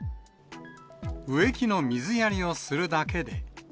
植木の水やりをするだけで。